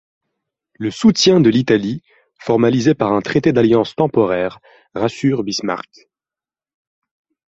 Le soutien de l'Italie, formalisé par un traité d'alliance temporaire, rassure Bismarck.